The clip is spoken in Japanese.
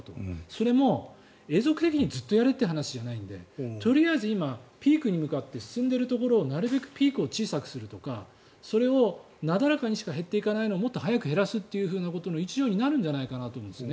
それも、永続的にずっとやれという話じゃないのでとりあえず今、ピークに向かって進んでいるのでとりあえずピークを小さくするとかそれを、なだらかにしか減っていかないのをもっと早く減らすというふうなことの一助になるのではと思うんです。